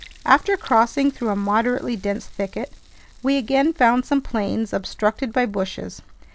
After crossing through a moderately dense thicket, we again found some plains obstructed by bushes.